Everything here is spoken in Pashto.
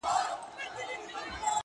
• زړه مي در سوځي چي ته هر گړی بدحاله یې ـ